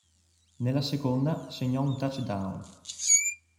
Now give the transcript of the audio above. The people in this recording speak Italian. Nella seconda segnò un touchdown.